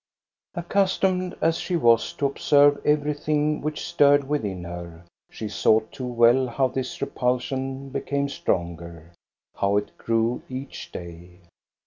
Accustomed as she was to observe everything which stirred within her, she saw too well how this repulsion became stronger, how it grew each day.